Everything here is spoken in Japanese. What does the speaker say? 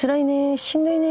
「しんどいねぇ」